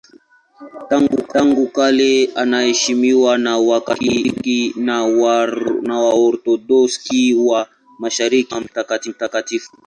Tangu kale anaheshimiwa na Wakatoliki na Waorthodoksi wa Mashariki kama mtakatifu.